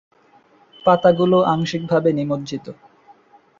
পাতাগুলো আংশিকভাবে নিমজ্জিত।